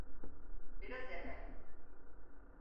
Biraz evvel!